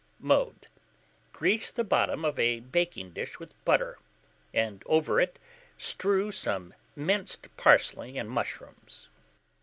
Mode. Grease the bottom of a baking dish with butter, and over it, strew some minced parsley and mushrooms.